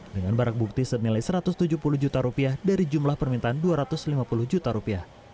dengan barang bukti senilai rp satu ratus tujuh puluh juta dari jumlah permintaan rp dua ratus lima puluh juta